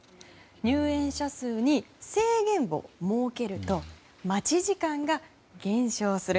入園者数に制限を設けると待ち時間が減少する。